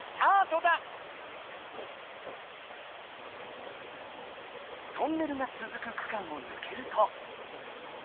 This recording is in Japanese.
トンネルがつづく区間をぬけると。